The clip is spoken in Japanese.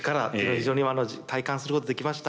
非常に体感することできました。